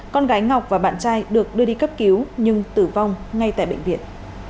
con gái ngọc và bạn trai được đưa đi cấp cứu nhưng tử vong ngay tại bệnh viện